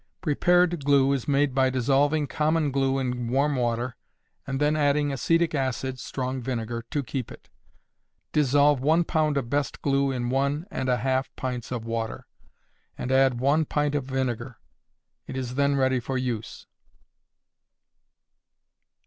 Prepared glue is made by dissolving common glue in warm water, and then adding acetic acid (strong vinegar) to keep it. Dissolve one pound of best glue in one and a half pints of water, and add one pint of vinegar. It is then ready for use.